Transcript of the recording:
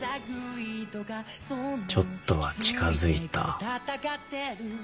ちょっとは近づいたよな。